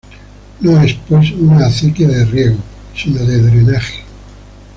No es, pues, una acequia de riego, sino de drenaje.